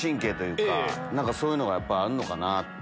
そういうのがあんのかなって。